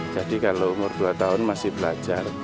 jadi kalau umur dua tahun masih belajar